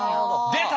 出た！